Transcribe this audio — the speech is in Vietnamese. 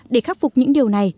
để khắc phục những điều này